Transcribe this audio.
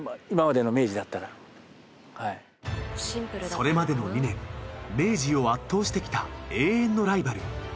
それまでの２年明治を圧倒してきた永遠のライバル早稲田。